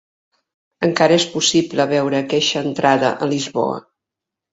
Encara és possible veure aqueixa entrada a Lisboa.